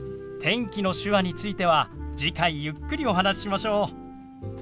天気の手話については次回ゆっくりお話ししましょう。